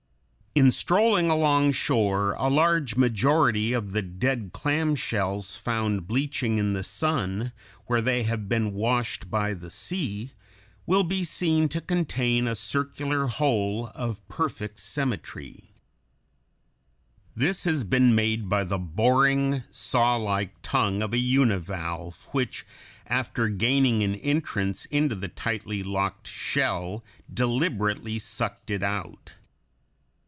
In strolling alongshore a large majority of the "dead" clam shells found bleaching in the sun, where they have been washed by the sea, will be seen to contain a circular hole of perfect symmetry (Fig. 97). This has been made by the boring, sawlike tongue of a univalve, which, after gaining an entrance into the tightly locked shell, deliberately sucked it out.